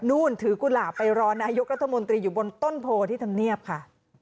ถือกุหลาบไปรอนายกรัฐมนตรีอยู่บนต้นโพที่ทำเนียบค่ะ